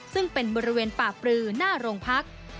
ซึ่งเป็นบริเวณป่าปลือหน้าโรงพัก